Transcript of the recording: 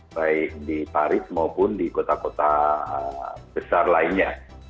baik di paris maupun di kota kota besar lainnya